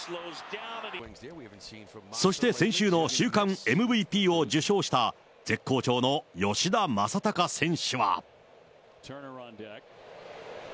そして先週の週間ＭＶＰを受賞した、絶好調の吉田正尚選手は。